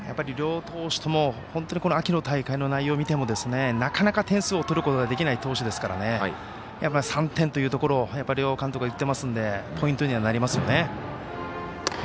両投手とも秋の大会の内容を見てもなかなか点数を取ることができない投手ですから３点というところを両監督が言っていますのでポイントにはなりますね。